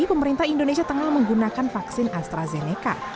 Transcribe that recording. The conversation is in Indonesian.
pemerintah indonesia tengah menggunakan vaksin astrazeneca